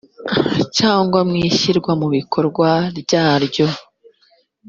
cyangwa mu ishyirwa mu bikorwa ryaryo